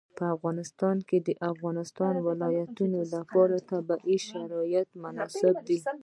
په افغانستان کې د د افغانستان ولايتونه لپاره طبیعي شرایط مناسب دي.